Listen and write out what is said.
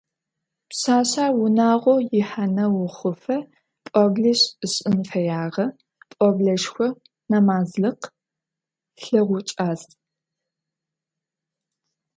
Пшъашъэр унагъо ихьанэу охъуфэ пӏоблищ ышӏын фэягъэ: пӏоблэшху, нэмазлыкъ, лъэгукӏадз.